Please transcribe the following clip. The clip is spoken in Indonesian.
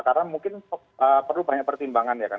karena mungkin perlu banyak pertimbangan ya kan